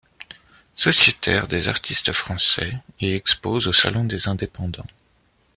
Sociétaire des Artistes français et expose au Salon des indépendants.